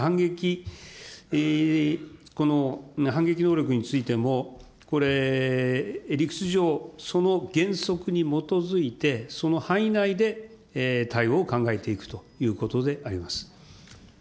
反撃能力についても、これ、理屈上、その原則に基づいて、その範囲内で対応を考えていくということであります。